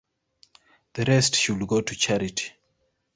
The rest should go to charity.